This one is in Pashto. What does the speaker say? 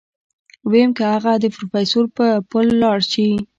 ويم که اغه د پروفيسر په پل لاړ شي.